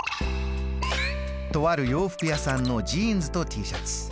とある洋服屋さんのジーンズとＴシャツ。